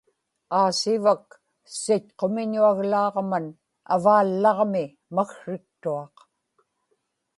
aasivak sitqumiñuaglaaġman avaallaġmi maksriktuaq